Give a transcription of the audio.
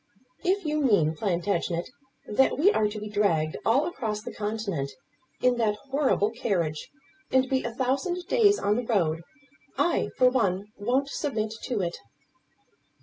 "If you mean, Plantagenet, that we are to be dragged all across the Continent in that horrible carriage, and be a thousand days on the road, I for one won't submit to it."